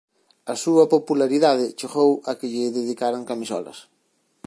A súa popularidade chegou a que lle dedicaran camisolas.